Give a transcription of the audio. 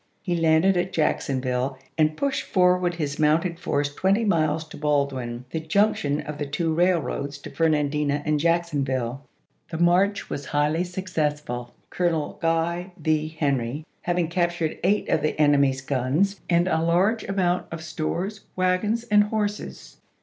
He landed at Jacksonville and pushed forward his mounted force twenty miles to Baldwin, the junc tion of the two railroads to Fernandina and Jack sonville. The march was highly successful. Colonel Guy V. Henry having captured eight of the en emy's guns, and a large amount of stores, wagons, and horses.